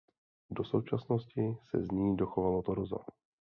Do současnosti se z ní dochovalo torzo.